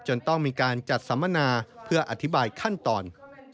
ต้องมีการจัดสัมมนาเพื่ออธิบายขั้นตอน